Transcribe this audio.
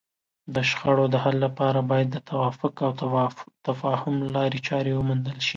د شخړو د حل لپاره باید د توافق او تفاهم لارې چارې وموندل شي.